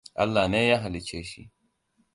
Allah ne ya halicce shi.